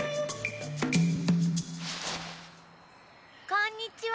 こんにちは。